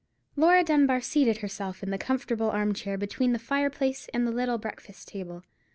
Laura Dunbar seated herself in the comfortable arm chair between the fireplace and the little breakfast table.